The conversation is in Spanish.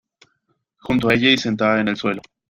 Junto a ella y sentada en el suelo.